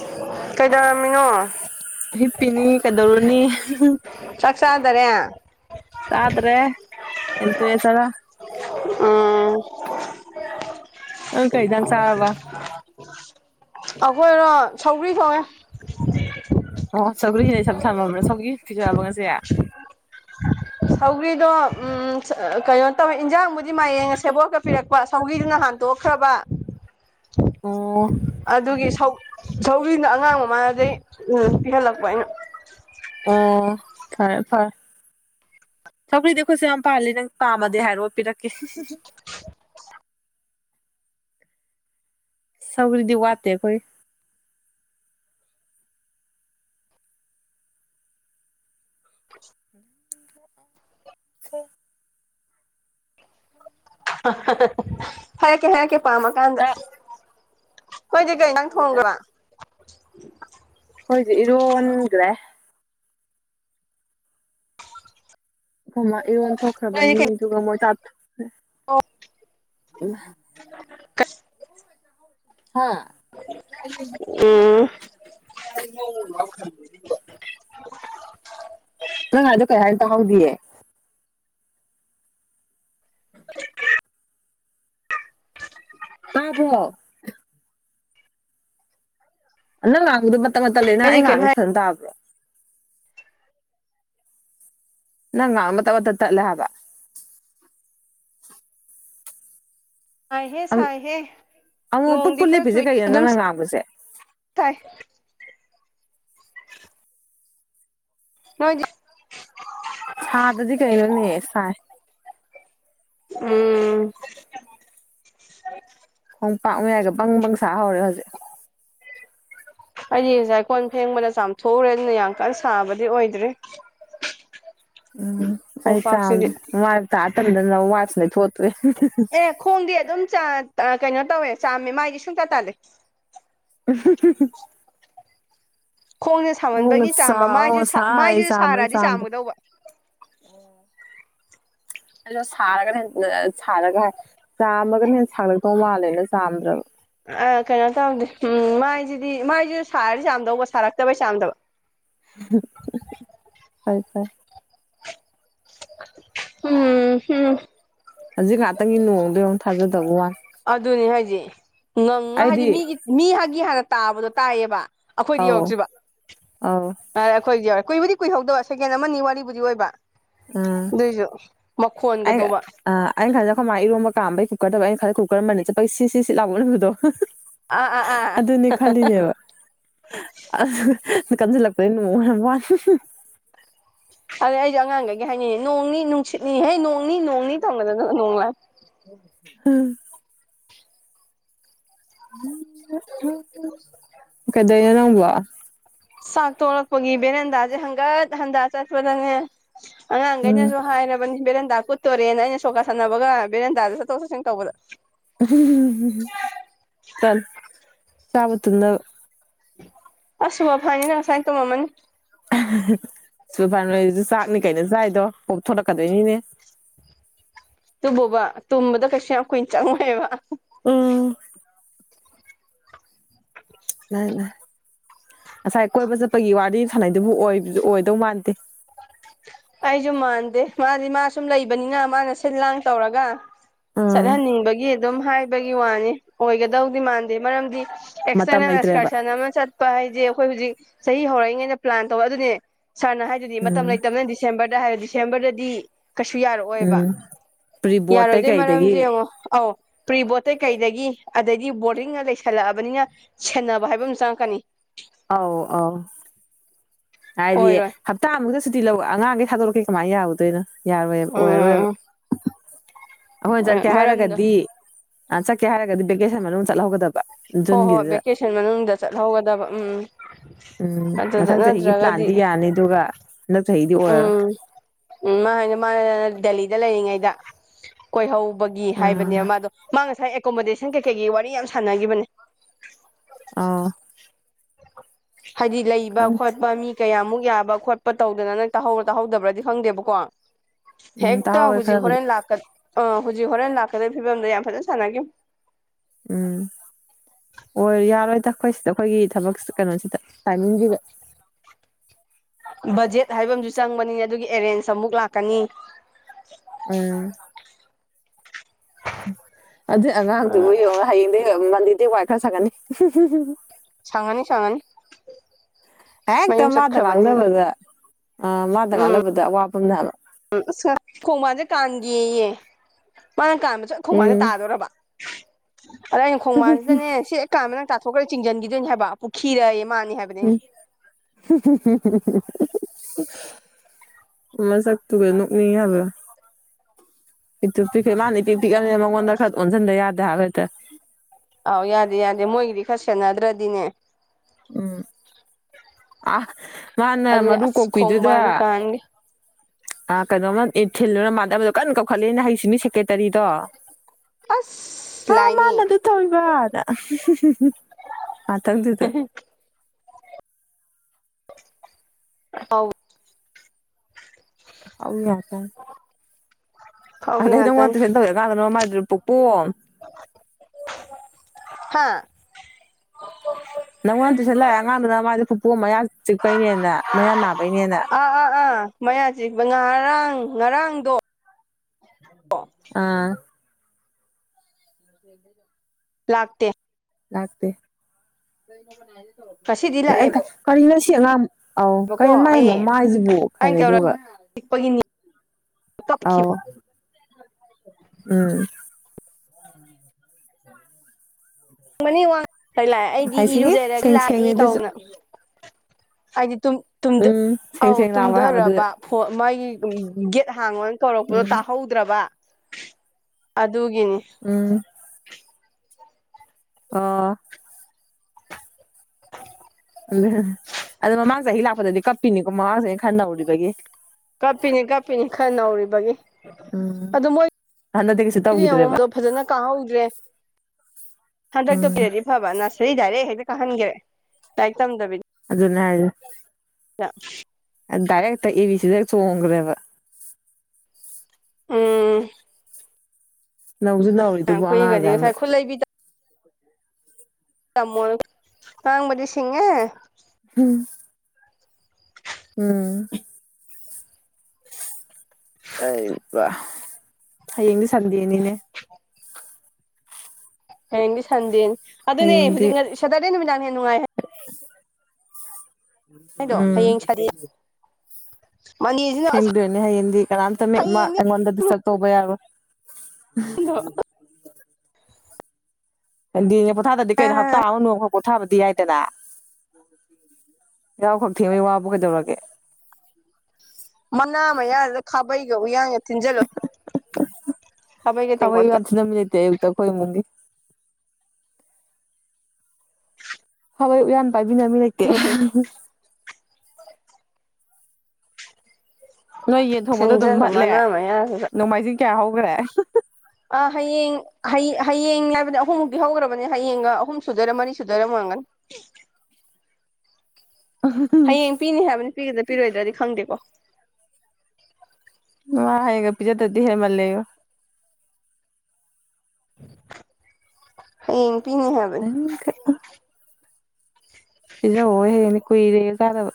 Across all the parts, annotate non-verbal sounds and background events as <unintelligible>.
<unintelligible> ꯀꯩꯗꯧꯔꯝꯃꯤꯅꯣ ꯍꯤꯞꯄꯤꯅꯤ ꯀꯩꯗꯧꯔꯨꯅꯤ <unintelligible> ꯆꯥꯛ ꯆꯥꯗꯔꯦ꯫ ꯆꯥꯗꯔꯦ ꯍꯦꯟꯇꯣꯛꯑꯦ ꯆꯔꯥ꯫ <unintelligible> ꯑ꯫ ꯑꯪ ꯀꯩ ꯏꯟꯖꯥꯡ ꯆꯥꯔꯕ꯫ ꯑꯩꯈꯣꯏꯔꯣ ꯁꯧꯒ꯭ꯔꯤ ꯊꯣꯡꯉꯦ꯫ ꯑꯣ ꯁꯧꯒ꯭ꯔꯤ ꯁꯝ ꯊꯝꯃꯕ꯭ꯔꯥ ꯁꯧꯒꯔꯤ ꯐꯤꯖꯕꯔꯣ ꯉꯁꯤ꯫ ꯁꯧꯒ꯭ꯔꯤꯗꯣ ꯎꯝ ꯀꯩꯅꯣ ꯇꯧꯋꯦ ꯏꯟꯖꯥꯡꯕꯨꯗꯤ ꯃꯥꯏꯌꯦꯟ ꯒ ꯁꯦꯕꯣꯠ ꯀ ꯄꯤꯔꯛꯄ ꯁꯧꯒꯔꯤꯗꯨꯅ ꯍꯥꯟ ꯇꯣꯛꯈ꯭ꯔꯕ ꯑꯣ ꯑꯗꯨꯒꯤ ꯁꯧ ꯁꯧꯒꯔꯤꯗꯣ ꯑꯉꯥꯡ ꯃꯃꯥꯗꯩ ꯄꯤꯍꯜꯂꯛꯄ ꯑꯩꯅ꯫ ꯑꯣ ꯐꯔꯦ ꯐꯔꯦ꯫ ꯁꯧꯒꯔꯤꯗꯤ ꯑꯩꯈꯣꯏꯁꯨ ꯌꯥꯝ ꯄꯥꯜꯂꯤ ꯅꯪ ꯄꯥꯝꯃꯗꯤ ꯍꯥꯏꯔꯛꯑꯣ ꯄꯤꯔꯛꯀꯦ꯫ ꯁꯧꯒꯔꯤꯗꯤ ꯋꯥꯇꯦ ꯑꯩꯈꯣꯏ꯫ <unintelligible> ꯍꯥꯏꯔꯛꯀꯦ ꯍꯥꯏꯔꯛꯀꯦ꯫ ꯄꯥꯝꯃꯀꯥꯟꯗ ꯈꯣꯏꯗꯤ ꯀꯩ ꯏꯟꯖꯥꯡ ꯊꯣꯡꯉꯕ꯫ ꯑꯩꯈꯣꯏꯗꯤ ꯈꯣꯏꯗꯤ ꯏꯔꯣꯟꯒꯔꯦ꯫ ꯈꯣꯏ ꯃꯤ ꯏꯔꯣꯟ ꯑꯩꯗꯤ ꯊꯣꯛꯈ꯭ꯔꯕꯅꯤ ꯀꯩꯅꯣ ꯑꯗꯨꯒ ꯃꯣꯏ ꯆꯥꯊꯣꯛꯈ꯭ꯔꯦ꯫ ꯎꯝ ꯍꯥ <unintelligible> ꯅꯪ ꯍꯥꯏꯗꯣ ꯀꯩ ꯍꯥꯏꯅ ꯇꯥꯍꯧꯗꯤꯌꯦ ꯇꯥꯕ꯭ꯔꯣ ꯅꯪ ꯉꯥꯡꯕꯗꯣ ꯃꯇꯠ ꯃꯇꯠ ꯇꯠꯂꯦ ꯅꯪ ꯑꯩꯗꯤ ꯑꯩ ꯀꯩꯅꯣ ꯉꯥꯡꯁ‌ꯦ ꯍꯥꯏ ꯐꯖꯅ ꯇꯥꯕ꯭ꯔꯥ ꯅꯪ ꯉꯥꯡꯕ ꯃꯇꯠ ꯃꯇꯠ ꯇꯠꯂꯦ ꯍꯥꯏꯕ ꯁꯥꯏꯍꯦ ꯑꯝ ꯁꯥꯏꯍꯦ ꯑꯃꯨꯛ ꯄꯨꯠ ꯅꯣꯡꯗꯤ ꯄꯨꯠ ꯈꯔ ꯂꯦꯞꯄꯤꯁꯦ ꯆꯨꯏ ꯀꯩꯒꯤꯅꯣ ꯑꯗꯨꯝ ꯅꯪꯅ ꯉꯥꯡꯕꯁꯦ ꯁꯥꯏ ꯅꯣꯏꯗꯤ ꯁꯥꯗꯗꯤ ꯀꯩꯅꯣꯅꯦ ꯁꯥꯏ ꯎꯝ ꯄꯥꯛ ꯃꯌꯥꯏꯗ ꯕꯪꯕꯪꯁꯥ ꯍꯧꯔꯦ ꯍꯧꯖꯤꯛ ꯑꯩꯗꯤ ꯉꯁꯥꯏ ꯀꯣꯜ ꯐꯦꯡꯕꯅ ꯆꯥꯝꯊꯣꯛꯎꯔꯦ ꯑꯗꯨꯅ ꯌꯥꯝ ꯀꯟꯅ ꯁꯥꯕꯗꯤ ꯑꯣꯏꯗ꯭ꯔꯤ ꯎꯝ ꯑꯩ ꯈꯣꯡꯄꯥꯛꯁꯤꯗꯤ ꯆꯥꯝꯗ꯭ꯔꯤ ꯃꯥꯏ ꯇꯥ ꯇꯟꯗꯅ ꯋꯥꯏꯚꯁ ꯂꯩꯊꯣꯛꯑ ꯇꯣꯛꯑꯦ ꯑꯦ ꯈꯣꯡꯗꯤ ꯑꯗꯨꯝ ꯀꯩꯅꯣ ꯇꯧꯋꯦ ꯆꯥꯝꯃꯦ ꯃꯥꯏꯗꯤ ꯁꯨꯡꯇꯥ ꯇꯥꯗꯦ <unintelligible> ꯈꯣꯡꯁꯤꯅ ꯈꯣꯡꯅ ꯁꯥꯃꯟꯕꯒꯤ ꯆꯥꯝꯕ ꯆꯥꯝ ꯃꯥꯏꯁꯨ ꯉꯁꯥꯏ ꯃꯥꯏꯁꯨ ꯆꯥꯝꯕꯗ ꯁꯥꯔꯗꯤ ꯆꯥꯝꯗ꯭ꯔꯦ ꯆꯥꯝꯒꯗꯧꯕ ꯑꯗ ꯁꯥꯔꯒꯅ ꯍ ꯁꯥꯔꯒ ꯍꯥꯏ ꯆꯥꯝꯃꯒꯅ ꯍꯦꯟꯅ ꯁꯥꯒꯠꯂꯛꯇꯧ ꯃꯥꯜꯂꯦꯅ ꯆꯥꯝꯗ꯭ꯔꯕ ꯑ ꯀꯩꯅꯣ ꯇꯧꯗꯦ ꯎꯝ ꯃꯥꯏꯁꯤꯗꯤ ꯃꯥꯏꯁꯤꯗ ꯁꯥꯔꯗꯤ ꯆꯥꯝꯗꯧꯕ ꯁꯥꯔꯛꯇꯕꯩ ꯆꯥꯝꯗꯕ ꯐꯩ ꯐꯩ ꯎꯝ ꯎꯝ ꯍꯧꯖꯤꯛ ꯉꯍꯥꯛꯇꯪꯒꯤ ꯅꯣꯡꯗꯣ ꯌꯦꯡꯉꯨ ꯊꯥꯖꯗꯕ ꯋꯥꯅ‌ꯦ ꯑꯗꯨꯅꯤ ꯍꯥꯏꯖꯤ ꯉꯪꯉ ꯑꯩꯗꯤ ꯍꯥꯏꯗꯤ ꯃꯤꯒꯤ ꯃꯤ ꯍꯥꯏꯒꯤ ꯍꯥꯟꯅ ꯇꯥꯕꯗꯣ ꯇꯥꯏꯌꯦꯕ ꯑꯩꯈꯣꯏꯗꯤ ꯑꯧ ꯌꯧꯔꯛꯇ꯭ꯔꯤꯕ ꯑꯧ ꯑ ꯑꯩꯈꯣꯏꯗꯤ ꯌꯥꯎꯔꯦ ꯀꯨꯏꯕꯨꯗꯤ ꯀꯨꯏꯍꯧꯗꯧꯕ ꯁꯦꯀꯦꯟ ꯑꯃꯅꯤꯅꯤ ꯋꯥꯔꯤꯔꯤꯕꯨꯗꯤ ꯑꯣꯏꯕ ꯎꯝ ꯑꯗꯨꯏꯁꯨ ꯑꯩ ꯃꯈꯣꯟꯒꯗꯣꯕ ꯑ ꯑꯩꯅ ꯈꯟꯂꯤꯁ‌ꯦ ꯑꯩꯈ‌ꯣꯏ ꯃꯥꯒꯤ ꯏꯔꯣꯝ ꯀꯥꯝꯕꯩ ꯀꯨꯀꯔꯗꯕ ꯑꯩꯅ ꯈꯟꯗ ꯀꯨꯀꯔ ꯃꯅꯤꯟ ꯆꯠꯄꯒꯤ ꯁꯤ ꯁꯤ ꯂꯥꯎꯕ ꯃꯅꯤꯟꯗ‌ꯣ ꯑꯥ ꯑꯥ ꯑꯥ ꯑꯗꯨꯅꯦ ꯈꯜꯂꯤꯅꯦꯕ ꯑꯗꯨꯒ ꯀꯟꯁꯤꯜꯂꯛꯄꯗꯩ ꯅ‌ꯣꯡ ꯃꯥꯟꯕ ꯑꯗ ꯑꯩꯁꯨ ꯑꯉꯥꯡꯒꯩꯒ ꯍꯥꯏꯅꯩꯅ‌ꯦ ꯅꯣꯡꯅꯤ ꯅꯨꯡꯁꯤꯠꯅꯤꯍꯦ ꯅꯣꯡꯅꯤ ꯅꯣꯡꯅꯤ ꯊꯧꯅꯗꯅ ꯅꯣꯡꯂ ꯑꯝ ꯀꯩꯗꯧ ꯏꯅꯣ ꯅꯪꯕꯣ ꯆꯥꯛ ꯇꯣꯛꯂꯛꯄꯒꯤ ꯚꯦꯔꯦꯟꯗꯥꯖꯦ ꯍꯪꯒꯠ ꯍꯟꯗꯥ ꯆꯠꯄꯗꯅꯦ ꯎꯝ ꯑꯉꯥꯡꯒꯩꯅꯖꯨ ꯍꯥꯏꯔꯕꯅꯤ ꯚꯦꯔꯦꯟꯗꯥ ꯀꯨꯠ ꯇꯣꯔꯦꯅ ꯑꯩꯅ ꯁꯣꯀꯥ ꯁꯥꯟꯅꯕꯒ ꯕꯦꯔꯦꯟꯗꯥꯗ ꯆꯠꯊꯣꯛ ꯆꯠꯁꯤꯟ ꯇꯧꯕꯗ ꯆꯠꯂ‌ꯣ ꯆꯥꯕ ꯇꯨꯝꯅꯕ ꯑꯁ ꯃꯐꯩꯅꯤꯅ ꯉꯁꯥꯏꯅ ꯇꯨꯝꯃꯝꯃꯅꯤ ꯁꯨ ꯐꯥꯔꯝ ꯂꯩꯔꯤꯁꯨ ꯆꯥꯛꯅꯤ ꯀꯩꯅꯣ ꯆꯥꯏꯗꯣ ꯀꯣꯞ ꯊ‌ꯣꯂꯛꯀꯗꯣꯏꯅꯤꯅꯦ ꯗꯨꯕꯣꯕ ꯇꯨꯝꯕꯗ ꯀꯩꯁꯨ ꯌꯥꯝ ꯀꯨꯏꯅ ꯆꯪꯉꯣꯏꯑꯕ ꯎꯝ <inaudible> ꯉꯁꯥꯏ ꯀꯣꯏꯕ ꯆꯠꯄꯒꯤ ꯋꯥꯔꯤ ꯁꯥꯟꯅꯩꯗꯨꯕꯨ ꯑꯣꯏ ꯑꯣꯏꯗꯧ ꯃꯥꯟꯗꯦ ꯑꯩꯁꯨ ꯃꯥꯟꯗꯦ ꯃꯥꯗꯤ ꯃꯥ ꯁꯨꯝ ꯂꯩꯕꯅꯤꯅ ꯃꯥꯅ ꯁꯤꯜ ꯂꯥꯡ ꯇꯧꯔꯒ ꯎꯝ ꯆꯠꯍꯟꯅꯤꯡꯕꯒꯤ ꯑꯗꯨꯝ ꯍꯥꯏꯕꯒꯤ ꯋꯥꯅꯤ ꯑꯣꯏꯒꯗꯧꯗꯤ ꯃꯥꯟꯗꯦ ꯃꯔꯝꯗꯤ ꯃꯇꯝ ꯑꯦꯛꯁꯇꯔꯅꯦꯜ ꯂꯩꯇ꯭ꯔꯦꯕ ꯑꯦꯛꯁꯀꯔꯁꯟ ꯑꯃ ꯆꯠ ꯄꯥ ꯍꯥꯏꯁꯦ ꯑꯩꯈꯣꯏ ꯍꯧꯖꯤꯛ ꯆꯍꯤ ꯍꯧꯔꯛꯏꯉꯩꯅ ꯄ꯭ꯂꯥꯟ ꯇꯧꯔꯦ ꯑꯗꯨꯅꯦ ꯁꯥꯔꯅ ꯍꯥꯏꯗꯨꯗꯤ ꯃꯇꯝ ꯎꯝ ꯂꯩꯇꯕꯅꯗꯤ ꯗꯤꯁꯦꯝꯕꯔꯗ ꯍꯥꯏꯔ ꯗꯤꯁꯦꯝꯕꯔꯗꯗꯤ ꯀꯩꯁꯨ ꯌꯥꯔꯛꯑꯣꯏꯕ ꯎꯝ ꯄ꯭ꯔꯤ ꯕꯣꯔꯠꯇꯩ ꯌꯥꯔꯣꯏꯗꯣꯏ ꯀꯩꯗꯒꯤ ꯃꯔꯝꯁꯦ ꯌꯦꯡꯉꯣ ꯑꯧ ꯄ꯭ꯔꯤ ꯕꯣꯠꯇꯩ ꯀꯩꯗꯒꯤ ꯑꯗꯩꯗꯤ ꯕꯣꯔꯗꯤꯡꯗ ꯂꯩꯁꯜꯂꯛꯑꯕꯅꯤꯅ ꯁꯦꯟꯅꯕ ꯍꯥꯏꯕ ꯑꯃ ꯆꯪꯉꯛꯀꯅꯤ ꯑꯥꯎ ꯑꯥꯎ ꯍꯥꯏꯗꯤ ꯑꯣꯏꯔꯣꯏ ꯍꯞꯇꯥꯃꯨꯛꯇ ꯁꯨꯇꯤ ꯂꯧ ꯑꯉꯥꯡꯒ‌ꯩ ꯊꯥꯗꯣꯔꯛꯀꯦ ꯀꯃꯥꯏꯅ ꯌꯥꯎꯗꯣꯏꯅꯣ ꯌꯥꯔꯣꯏꯕ ꯑꯣꯏꯔꯣꯏꯕ ꯎꯝ ꯑꯩꯈꯣꯏꯅ ꯆꯠꯀꯦ ꯃꯔꯝꯗꯣ ꯍꯥꯏꯔꯒꯗꯤ ꯆꯠꯀꯦ ꯍꯥꯏꯔꯒꯗꯤ ꯚꯦꯀꯦꯁꯟ ꯃꯅꯨꯡꯗ ꯆꯠꯍꯧꯒꯗꯕ ꯍꯣꯏ ꯍꯣꯏ ꯖꯨꯟꯒꯤꯗꯨꯗ ꯚꯦꯀꯦꯁꯟ ꯃꯅꯨꯡꯗ ꯆꯠꯍꯧꯒꯗꯕ ꯎꯝ ꯎꯝ ꯎꯝ ꯑꯗꯨꯗ ꯃꯊꯪ ꯆꯍꯤꯒꯤ ꯅꯠꯇ꯭ꯔꯒꯗꯤ ꯄ꯭ꯂꯥꯟꯗꯤ ꯌꯥꯅꯤ ꯑꯗꯨꯒ ꯍꯟꯗꯛ ꯆꯍꯤꯗꯤ ꯑꯣꯏꯔꯔꯣꯢ ꯎꯝ ꯎꯝ ꯃꯥ ꯃꯥ ꯗꯦꯂꯤꯗ ꯂꯩꯔꯤꯉꯩꯗ ꯀꯣꯏꯍꯧ ꯕꯒꯤ ꯎꯝ ꯍꯥꯏꯕꯅꯦꯕ ꯃꯥꯗꯣ ꯃꯥ ꯉꯁꯥꯏ ꯑꯦꯀꯣꯃꯣꯗꯦꯁꯟ ꯀꯩ ꯀꯩꯒꯤ ꯋꯥꯔꯤ ꯌꯥꯝ ꯁꯥꯟꯅꯈꯤꯕꯅꯦ ꯑꯥ ꯍꯥꯏꯗꯤ ꯂꯩꯕ ꯈꯪꯗꯦ ꯈꯣꯠꯄ ꯃꯤ ꯀꯌꯥꯃꯨꯛ ꯌꯥꯕ ꯈꯣꯠꯄ ꯇꯧꯗꯅ ꯅꯪ ꯇꯥꯍꯧꯕ꯭ꯔ ꯇꯥꯍꯧꯗꯕ꯭ꯔꯗꯤ ꯈꯪꯗꯦꯕꯀꯣ ꯎꯝ ꯍꯦꯛꯇ ꯇꯥꯍꯧꯋꯦ ꯍꯧꯖꯤꯛ ꯈꯔꯕꯨꯗꯤ ꯍꯣꯔꯦꯟ ꯂꯥꯛꯀ ꯑ ꯍꯧꯖꯤꯛ ꯍꯣꯔꯦꯟ ꯂꯥꯛꯀꯗꯕꯩ ꯐꯤꯚꯝꯗ ꯌꯥꯝ ꯐꯖꯅ ꯁꯥꯟꯅꯒꯤ ꯎꯝ ꯑꯣꯏ ꯌꯥꯔꯣꯏꯗ ꯈꯣꯏꯁꯤꯗ ꯑꯩꯈꯣꯏꯒꯤ ꯊꯕꯛꯁꯤ ꯀꯩꯅꯣꯁꯤꯗ ꯇꯥꯏꯃꯤꯡꯁꯤꯗ ꯕꯖꯦꯠ ꯍꯥꯏꯕ ꯑꯃꯁꯨ ꯆꯪꯕꯅꯤ ꯑꯗꯨꯒꯤ ꯑꯦꯔꯦꯟꯖ ꯑꯃꯨꯛ ꯂꯥꯛꯀꯅꯤ ꯎꯝ ꯑꯗꯨꯏ ꯑꯉꯥꯡꯗꯨꯕꯨ ꯌꯦꯡꯉꯨꯅꯦ ꯍꯌꯦꯡꯗꯩ ꯃꯟꯗꯦꯗꯩ ꯋꯥꯏ ꯈꯔ ꯁꯪꯉꯅꯤ ꯁꯪꯉꯅꯤ ꯁꯪꯉꯅꯤ ꯍꯦꯛꯇ ꯃꯌꯨꯝ ꯃꯥꯗ ꯆꯠꯈ꯭ꯔꯕꯅꯤꯅ ꯉꯥꯡꯅꯕꯗ ꯑ ꯃꯥꯗ ꯉꯥꯡꯅꯕꯗ ꯑꯋꯥꯕ ꯑꯃꯅꯦꯕ ꯎꯝ ꯑꯁ ꯈꯣꯡꯕꯥꯟꯁꯦ ꯀꯥꯟꯒꯦꯌꯦ ꯃꯥꯅ ꯀꯥꯟꯕ ꯁꯣꯏ ꯈꯣꯡꯕꯥꯟꯗ ꯎꯝ ꯇꯥꯗꯣꯔꯕ ꯑꯗ ꯑꯩꯅ ꯈꯣꯡꯕꯥꯟꯁꯤꯗꯅꯦ ꯁꯤ ꯀꯥꯟꯕꯗ ꯅꯪ ꯇꯥꯊꯣꯛꯈ꯭ꯔꯗꯤ ꯆꯤꯡꯁꯤꯟꯈꯤꯗꯣꯏꯅꯤ ꯍꯥꯏꯕ ꯄꯨ꯭ꯈꯤꯔꯌꯦ ꯃꯥꯟꯅꯦ ꯍꯥꯏꯕ ꯎꯝ <inaudible> ꯃꯁꯛ ꯇꯨꯒ ꯅꯣꯛꯅꯤꯡꯉꯦ ꯍꯥꯏꯕ ꯄꯤꯛꯇ꯭ꯔꯨ ꯄꯤꯛꯈꯩ ꯃꯥꯅ ꯏꯄꯤꯛ ꯄꯤꯛꯑꯕꯅꯤꯅ ꯃꯉꯣꯟꯗ ꯈꯔ ꯑꯣꯟꯁꯤꯟꯗ ꯌꯥꯗꯦ ꯍꯥꯏꯕ ꯍꯦꯛꯇ ꯑꯧ ꯌꯥꯗꯦ ꯌꯥꯗꯦ ꯃꯣꯏꯒꯤꯗꯤ ꯈꯔ ꯁꯦꯟꯅꯗ꯭ꯔꯗꯤꯅꯦ ꯎꯝ ꯑꯥ ꯃꯥꯅ ꯑꯗꯨꯅꯦ ꯃꯔꯨ ꯑꯁ ꯀꯣꯛꯄꯤꯗꯨꯗ ꯈꯣꯡꯕꯥꯟ ꯀꯥꯟꯒꯦ ꯑ ꯀꯩꯅꯣꯝꯃ ꯊꯤꯜꯂꯨꯔ ꯃꯥꯥꯟꯂꯦ ꯑꯃꯗꯣ ꯀꯟꯅ ꯀꯧꯈꯠꯂꯦꯅꯦ ꯍꯩꯁꯤꯡꯕꯤ ꯁꯦꯀ꯭ꯔꯦꯇꯔꯤꯗꯣ ꯑꯁ ꯑꯥ ꯃꯥꯅ ꯂꯥꯏꯅꯤ ꯑꯗꯨ ꯇꯧꯔꯤꯕꯅ ꯉꯥꯛꯇꯪꯗꯨꯗ ꯑꯧ ꯑꯐꯥꯎꯕꯤ ꯉꯥꯛꯇꯅꯦ ꯐꯥꯎꯕꯤ ꯑꯗꯩ ꯅꯪꯉꯣꯟꯗ ꯉꯥꯛꯇꯅꯤ ꯇꯨꯢꯁꯟ ꯇꯧꯔꯤꯕ ꯑꯉꯥꯡꯗꯨꯅ ꯃꯃꯥꯏꯗꯨ ꯄꯨꯛꯄꯣꯝ ꯍꯥꯥ ꯅꯪꯉꯣꯟ ꯇꯨꯢꯁꯟ ꯂꯥꯛꯢꯕ ꯑꯉꯥꯡꯗꯨꯅ ꯃꯃꯥꯏꯗꯨ ꯄꯨꯛꯄꯣꯝ ꯃꯌꯥ ꯆꯤꯛꯄꯩꯅꯦꯅ ꯃꯌꯥ ꯅꯥꯕꯩꯅꯦꯅ ꯑꯥ ꯑꯥ ꯑꯥ ꯃꯌꯥ ꯆꯤꯛꯄ ꯉꯔꯥꯡ ꯉꯔꯥꯡꯗꯣ ꯑꯥ ꯂꯩꯒꯅ <inaudible> ꯂꯥꯛꯇꯦ ꯂꯥꯛꯇꯦ ꯉꯁꯤꯗꯤ ꯀꯔꯤꯅꯣ ꯁꯤ ꯑꯉꯝ ꯑꯧ ꯀꯔꯤꯅꯣ ꯂꯥꯛꯑꯦꯕꯀꯣ ꯃꯥꯏ ꯃꯃꯥꯏꯁꯤꯕꯨ ꯈꯜꯂꯦ ꯑꯗꯨꯒ ꯄꯤꯛꯄꯒꯤꯅꯦ ꯑꯧ ꯎꯝ ꯎ <inaudible> ꯃꯅꯦ ꯋꯥꯡ ꯂꯥꯛꯑꯦ ꯑꯩꯗꯤ ꯍꯩꯁꯤꯡꯉꯤ ꯏꯔꯨꯖꯔꯒ ꯁꯦꯡ ꯂꯥꯛꯢ ꯁꯦꯡꯅꯦ ꯑꯗꯨꯁꯨ ꯇꯧꯗꯅ <unintelligible> ꯍꯥꯏꯗꯤ ꯇꯨꯝ ꯇꯨꯝꯗ ꯎꯝ ꯁꯦꯡ ꯑꯧ ꯁꯦꯡ ꯂꯥꯎꯋꯦ ꯍꯥꯏꯕ ꯑꯗꯨꯗ ꯇꯨꯝꯗꯔꯕ ꯍꯣ ꯃꯥꯒꯤ ꯒꯦꯠ ꯍꯥꯡꯉꯣꯅ ꯀꯧꯔꯛꯄꯗꯣ ꯎꯝ ꯇꯥꯍꯧ ꯗ꯭ꯔꯕ ꯑꯗꯨꯒꯤꯅꯦ ꯎꯝ ꯑꯥ ꯑꯗꯨ ꯃꯃꯥꯡ ꯆꯍꯤ ꯂꯥꯛꯄꯗꯗꯤ ꯀꯞꯄꯤꯅꯤꯀꯣ ꯃꯃꯥꯡ ꯆꯍꯤꯅ ꯈꯔ ꯅꯧꯔꯤꯕꯒꯤ ꯀꯞꯄꯤꯅꯤ ꯀꯞꯄꯤꯅꯤ ꯈꯔ ꯅꯧꯔꯤꯕꯒꯤ ꯎꯝ ꯑꯗꯨ ꯍꯟꯗꯛꯇꯤ ꯀꯩꯁꯨ ꯃꯣꯏꯗꯤ ꯇꯧꯈꯤꯗ꯭ꯔꯦꯕ ꯌꯦꯡꯉꯣ ꯐꯖꯅ ꯀꯥꯍꯧꯗ꯭ꯔꯦ ꯍꯟꯗꯛꯇꯣ ꯎꯝ ꯄꯤꯔꯗꯤ ꯐꯕ ꯅꯔꯁꯔꯤ ꯗꯥꯏꯔꯦꯛ ꯍꯦꯛꯇ ꯀꯥꯍꯟꯒꯔꯦ ꯂꯥꯏꯔꯤꯛ ꯇꯝꯗꯕꯤꯗ <inaudible> ꯑꯗꯨꯅ ꯍꯥꯏꯦ <unintelligible> ꯗꯥꯏꯔꯦꯛꯇ ꯑꯦ ꯕꯤ ꯁꯤꯗ ꯆꯣꯡꯈ꯭ꯔꯦꯕ ꯎꯝ ꯅꯪꯁꯨ ꯅꯧꯔꯤꯗꯨꯕꯨ ꯑꯩꯈꯣꯏꯒꯗꯤ ꯑꯉꯥꯡꯗꯅ ꯉꯁꯥꯏ ꯈꯨꯠꯂꯩꯕꯤ ꯇꯃꯣ ꯉꯥꯡꯕꯗꯤ ꯁꯤꯡꯉꯦ <inaudible> ꯎꯝ ꯑꯩ ꯋꯥ ꯍꯌꯦꯡꯗꯤ ꯁꯟꯗꯦꯅꯤꯅꯦ ꯍꯌꯦꯡꯗꯤ ꯁꯟꯗꯦ ꯑꯗꯨꯅꯦ ꯍꯌꯦꯡꯗꯤ ꯍꯧꯖꯤꯛ ꯁꯦꯇꯔꯗꯦ ꯅꯨꯃꯤꯗꯥꯡ ꯍꯦꯟꯅ ꯅꯨꯡꯉꯥꯏꯍꯦ ꯍꯥꯏꯗꯣ ꯎꯝ ꯍꯌꯦꯡ ꯁꯥꯟꯗꯦ ꯃꯟꯗꯦꯁꯤꯅ ꯑꯁ ꯅꯦ ꯍꯌꯦꯡꯗꯤ ꯀꯅꯥꯝꯇ ꯍꯌꯦꯡꯗꯤ ꯑꯩꯉꯣꯟꯗ ꯗꯤꯁꯇꯔꯕ ꯇꯧꯕ ꯌꯥꯔꯣꯢ ꯁꯥꯟꯗꯦꯁꯤꯗ ꯄꯣꯊꯥꯗꯗꯤ ꯀꯩꯅꯣ ꯍꯞꯇꯥ ꯑꯃ ꯅꯣꯡꯈ ꯄꯣꯊꯥꯕꯗꯤ ꯍꯥꯏꯗꯅ ꯌꯥꯍꯧ ꯈꯛ ꯊꯦꯡꯕꯩ ꯋꯥꯕꯨ ꯀꯩꯗꯧꯔꯒꯦ ꯃꯅꯥ ꯌꯥꯁꯤꯗ ꯈꯥꯕꯩꯒ ꯎ ꯌꯥꯡꯒꯅ ꯊꯤꯟꯖꯜꯂꯣ ꯈꯥꯕꯩꯒ ꯈꯋꯥꯏ ꯇꯦꯡꯀꯣꯠꯀ ꯋꯥꯁꯤꯃꯤ ꯂꯩꯇꯦ <inaudible> ꯈꯣꯏ ꯏꯃꯨꯡꯒꯤ ꯍꯋꯥꯏ ꯎꯌꯥꯟ ꯄꯥꯏꯕꯤꯅ ꯃꯤ ꯂꯩꯇꯦ ꯅꯣꯏ ꯌꯦꯟ ꯊꯣꯡꯕꯗꯣ ꯑꯗꯨꯝ ꯊꯤꯟꯖꯜꯂꯣ ꯃꯠꯂꯦ ꯃꯅꯥ ꯃꯌꯥꯁꯤꯗ ꯅꯣꯡꯃꯥꯏꯖꯤꯡ ꯀꯌꯥ ꯍꯧꯈ꯭ꯔꯦ ꯑ ꯍꯌꯦꯡ ꯍꯌꯦꯡ ꯍꯥꯏꯕꯗꯤ ꯑꯍꯨꯝꯃꯨꯛꯇꯤ ꯍꯧꯈ꯭ꯔꯕꯅꯦ ꯍꯌꯦꯡꯒ ꯑꯍꯨꯝ ꯁꯨꯗꯔ ꯃꯔꯤ ꯁꯨꯗꯔ ꯑꯃ ꯑꯣꯢꯔꯝꯒꯅꯤ ꯍꯌꯦꯡ ꯄꯤꯅꯤ ꯍꯥꯏꯕꯅꯤ ꯄꯤꯒꯗꯔꯥ ꯄꯤꯔꯣꯏꯗ꯭ꯔꯗꯤ ꯈꯪꯗꯦꯀꯣ ꯑ ꯍꯌꯦꯡꯒ ꯄꯤꯖꯥꯗꯔꯗꯤ ꯍꯦꯜꯃꯜꯂꯦ ꯍꯥꯢꯌꯨ ꯍꯌꯦꯡ ꯄꯤꯅꯦ ꯍꯥꯏꯕꯅꯦ ꯄꯤꯖꯧꯑꯣ ꯍꯌꯦꯡꯗꯤ ꯀꯨꯢꯔꯦꯌꯦ ꯆꯥꯗꯕ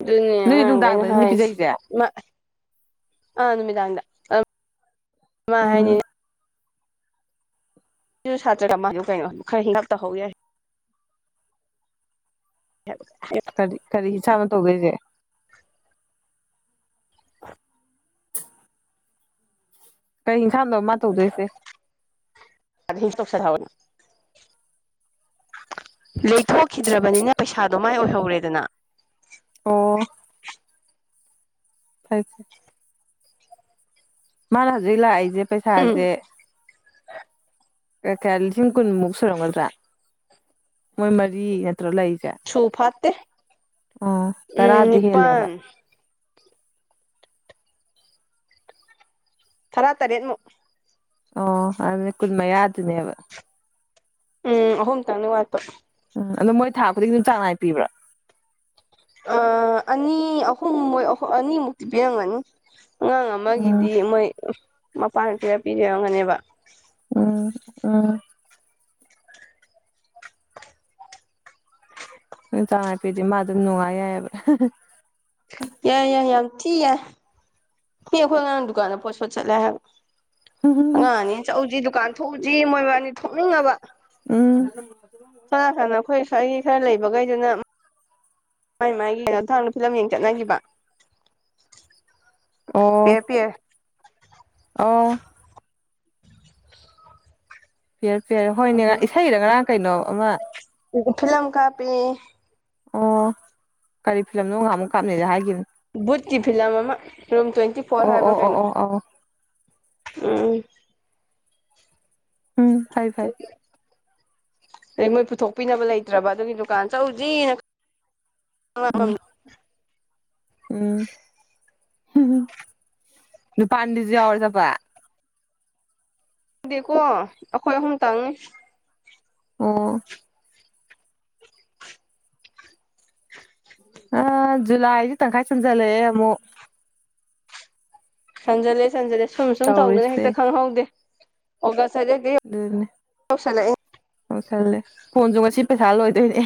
ꯑꯗꯨꯅꯦ ꯅꯣꯏꯗꯤ ꯑꯉꯥꯡꯈꯩꯅ ꯅꯨꯡꯗꯥꯡꯗꯅꯤꯅꯦ ꯍꯥꯏꯁꯤ ꯄꯤꯖꯩꯁꯦ ꯑ ꯅꯨꯃꯤꯗꯥꯡꯗ ꯑꯥ ꯃꯥ ꯎꯝ ꯍꯥꯢꯅꯤꯅꯦ ꯁꯤꯁꯨ ꯁꯥꯇ꯭ꯔꯒ ꯃꯥ ꯀꯩꯅꯣꯝ ꯈꯔ ꯍꯤꯂꯞ <inaudible> ꯇꯧꯍꯧ ꯌꯥꯏ <inaudible> ꯀꯔꯤ ꯀꯔꯤ ꯏꯁꯥꯟꯅꯣꯇꯧꯗꯣꯢꯁꯦ <unintelligible> <unintelligible> ꯀꯩ ꯏꯟꯁꯥꯡꯅꯣ ꯃꯥ ꯇꯧꯗꯣꯏꯁꯦ <inaudible> ꯂꯩꯊꯣꯛꯈꯤꯗ꯭ꯔꯕꯅꯤꯅ ꯄꯩꯁꯥꯗꯣ ꯃꯥꯏ ꯑꯣꯏꯍꯧꯔꯦꯗꯅ ꯑꯣ ꯐꯩ ꯃꯥꯅ ꯍꯧꯖꯤꯛ ꯂꯥꯛꯏꯁꯦ ꯄꯩꯁꯥꯁꯦ ꯎꯝ ꯀꯌꯥ ꯂꯤꯁꯤꯡ ꯀꯨꯟꯃꯨꯛ ꯁꯨꯔꯝꯒꯗ꯭ꯔꯥ ꯃꯣꯏ ꯃꯔꯤ ꯅꯠꯇ꯭ꯔ ꯂꯩꯁꯦ ꯁꯨ ꯐꯥꯠꯇꯦ ꯑꯣ ꯎꯝ ꯇꯔꯥꯗꯤ ꯍꯦꯜꯂꯦꯕ ꯅꯤꯄꯥꯜ ꯇꯔꯥ ꯇꯔꯦꯠ ꯃꯨꯛ ꯑꯣ ꯑꯗꯨꯅꯦ ꯀꯨꯟꯃꯌꯥꯗꯨꯅꯦꯕ ꯎꯝ ꯑꯍꯨꯝ ꯇꯪꯅꯤ ꯋꯥꯠꯕ ꯎꯝ ꯑꯗꯣ ꯃꯣꯏ ꯊꯥ ꯈꯨꯗꯤ ꯑꯗꯨꯝ ꯆꯥꯡ ꯅꯥꯏꯅ ꯕꯤꯕ꯭ꯔꯥ ꯑ ꯑꯅꯤ ꯑꯍꯨꯝ ꯃꯣꯏ ꯑꯅꯤꯃꯨꯛꯇꯤ ꯄꯤꯔꯝꯒꯅꯤ ꯑꯉꯥꯡ ꯎꯝ ꯑꯃꯒꯤꯗꯤ ꯃꯣꯏ ꯃꯄꯥ ꯈꯔ ꯄꯤꯖꯔꯝꯒꯅꯦꯕ ꯎꯝ ꯎꯝ ꯆꯥꯡꯅꯥꯏ <inaudible> ꯐꯗꯤ ꯃꯥ ꯑꯗꯨꯝ ꯅꯨꯡꯉꯥꯏ ꯌꯥꯏꯑꯕ ꯌꯥꯏ ꯌꯥꯏ ꯌꯥꯝ ꯊꯤ ꯌꯥꯢ ꯃꯤ ꯑꯩꯈꯣꯏ ꯑꯉꯥꯡ ꯗꯨꯀꯥꯟꯗ ꯄꯣꯠ ꯁꯣꯠ ꯆꯠꯂꯦ ꯍꯥꯏꯕ ꯑꯉꯥꯡ ꯑꯅꯤ ꯆꯠꯎꯁꯤ ꯗꯨꯀꯥꯟ ꯊꯣꯛꯎꯁꯤ ꯃꯣꯏꯕꯥꯅꯤ ꯊꯣꯛꯅꯤꯡꯉꯕ ꯎꯝ ꯀꯥꯟꯅ ꯑꯩꯈꯣꯏ ꯁ꯭ꯋꯥꯏꯒꯤ ꯈꯔ ꯂꯩꯕꯈꯩꯗꯨꯅ ꯃꯥꯏ ꯃꯥꯥꯏꯒꯤꯅ ꯀꯩꯅꯣ ꯇꯧꯔꯒ ꯐꯤꯂꯝ ꯌꯦꯡ ꯆꯠꯅꯈꯤꯕ ꯑꯣ ꯄꯤꯌ꯭ꯔ ꯄꯤꯌ꯭ꯔ ꯑꯣ ꯄꯤꯌ꯭ꯔ ꯄꯤꯌ꯭ꯔ ꯍꯣꯏꯅꯦ ꯏꯁꯩꯗ ꯉꯔꯥꯡ ꯀꯩꯅꯣ ꯑꯃ ꯐꯤꯂꯝ ꯀꯥꯞꯄꯦ ꯑꯣ ꯀꯔꯤ ꯐꯤꯂꯝꯅꯣ ꯉꯍꯥꯟ ꯑꯃꯨꯛ ꯀꯥꯞꯅꯦꯗ ꯍꯥꯏꯈꯤꯕꯅꯤ ꯕꯨꯠꯀꯤ ꯐꯤꯂꯝ ꯑꯃ ꯔꯨꯝ ꯇ꯭ꯋꯦꯟꯇꯤ ꯐꯣꯔ ꯑꯣ ꯍꯥꯏꯕ꯭ꯔꯥ ꯑꯣ ꯑꯣ ꯀꯩꯅꯣ ꯑꯣ ꯑꯣ ꯎꯝ ꯎꯝ ꯐꯩ ꯐꯩ ꯑꯗꯩ ꯃꯣꯏ ꯄꯨꯊꯣꯛꯄꯤꯅꯕ ꯂꯩꯇ꯭ꯔꯕ ꯑꯗꯨꯒꯤ ꯗꯨꯀꯥꯟ ꯆꯧꯖꯤꯅ ꯎꯝ ꯎꯝ ꯅꯨꯄꯑꯅꯤꯗꯨꯁꯨ ꯌꯥꯎꯔꯦꯆꯠꯕ ꯅꯠꯇꯦꯀꯣ ꯑꯩꯈꯣꯏ ꯑꯍꯨꯝ ꯇꯪꯅꯤ ꯑꯣ ꯑ ꯖꯨꯂꯥꯏꯗꯤ ꯇꯪꯈꯥꯏ ꯆꯪ ꯆꯜꯂꯛꯑꯦ ꯑꯃꯨꯛ ꯆꯟꯖꯜꯂꯦ ꯆꯟꯖꯜꯂꯦ ꯁꯨꯝ ꯁꯨꯝ ꯇꯧꯗꯅ ꯇꯧꯔꯤꯁꯦ ꯍꯦꯛꯇ ꯈꯪꯍꯧꯗꯦ ꯑꯣꯒꯁ ꯌꯧꯁꯟꯂꯛꯑꯦ ꯑꯣꯁꯜꯂꯦ ꯐꯣꯟꯁꯨ ꯉꯁꯤ ꯄꯩꯁꯥ ꯂꯣꯏꯗꯣꯏꯅꯦ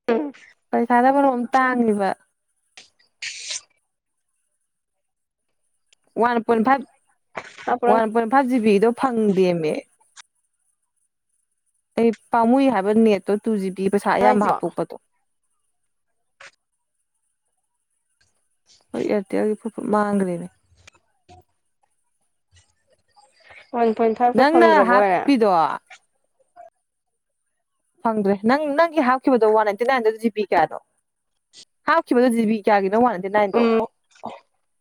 <unintelligible> ꯄꯩꯁꯥꯅ ꯃꯔꯣꯟꯃ ꯇꯥꯡꯉꯤꯕ ꯋꯥꯟ ꯄꯣꯏꯟ ꯐꯥꯏꯚ ꯑꯄ꯭ꯔꯪ ꯋꯥꯟ ꯄꯣꯏꯟ ꯐꯥꯏꯚ ꯖꯤꯕꯤꯗꯣ ꯐꯪꯗꯦꯃꯦ ꯑꯩ ꯄꯥꯝꯃꯨꯏ ꯍꯥꯏꯕ ꯅꯦꯠꯇꯣ ꯇꯨ ꯖꯤꯕꯤ ꯄꯩꯁꯥ ꯑꯌꯥꯝꯕ ꯍꯥꯏꯁꯤꯕꯣ ꯍꯥꯞꯇꯣꯛꯄꯗꯣ <inaudible> ꯍꯣꯏ ꯑꯦꯌꯥꯔꯇꯦꯜꯒꯤ ꯐꯨꯠ ꯐꯨꯠ ꯃꯥꯡꯈ꯭ꯔꯦꯅꯦ ꯋꯥꯟ ꯄꯣꯏꯟ ꯐꯥꯏꯚꯀ ꯅꯪꯅ ꯐꯪꯗ꯭ꯔꯕ ꯕꯣꯏꯔꯦ ꯍꯥꯞꯄꯤꯗꯣ ꯐꯪꯗ꯭ꯔꯦ ꯅꯪ ꯅꯪꯒꯤ ꯍꯥꯞꯈꯤꯕꯗꯣ ꯋꯥꯟ ꯅꯥꯏꯟꯇꯤ ꯅꯥꯏꯟꯗ ꯖꯤꯕꯤ ꯀꯌꯥꯗꯣ ꯍꯥꯥꯞ ꯈꯤꯕꯗꯣ ꯖꯤꯕꯤ ꯀꯌꯥꯒꯤꯅꯣ ꯋꯥꯟ ꯍꯟꯗꯔꯦꯠꯅꯏꯟ ꯗꯣ ꯎꯝ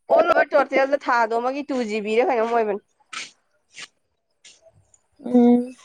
ꯑꯣꯜ ꯑꯣꯚꯔ ꯇꯣꯇꯦꯜꯗ ꯊꯥꯗꯣ ꯑꯃꯒꯤ ꯇꯨ ꯖꯤꯕꯤꯔ ꯀꯩꯅꯣꯝ ꯑꯣꯏꯕꯅꯤ ꯎꯝ